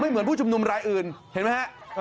ไม่เหมือนผู้ชมนุมรายอื่นเห็นไหมครับ